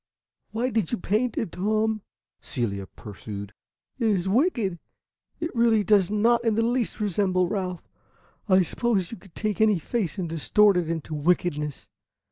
"Why did you paint it, Tom?" Celia pursued. "It is wicked. It really does not in the least resemble Ralph. I suppose you could take any face and distort it into wickedness.